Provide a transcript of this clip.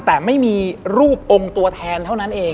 แต่ไม่มีรูปองค์ตัวแทนเท่านั้นเอง